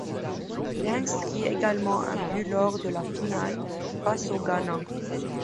Il inscrit également un but lors de la finale face au Ghana.